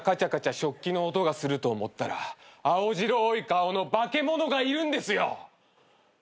食器の音がすると思ったら青白い顔の化け物がいるんですよ。